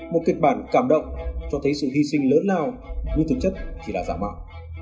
một kết bản cảm động cho thấy sự hy sinh lớn lao như thực chất chỉ là giả mạo